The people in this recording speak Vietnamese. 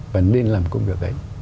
và nên làm công việc ấy